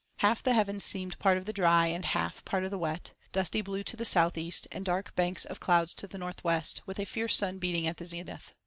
Half the heavens seemed part of the Dry, and half part of the Wet: dusty blue to the south east, and dark banks of clouds to the north west, with a fierce beating sun at the zenith.